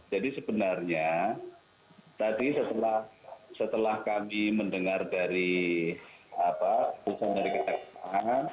jadi sebenarnya tadi setelah kami mendengar dari pusat pemerintah kemarin